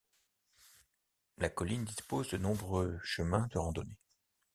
La colline dispose de nombreux chemins de randonnée.